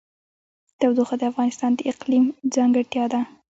تودوخه د افغانستان د اقلیم ځانګړتیا ده.